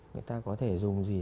người ta có thể dùng gì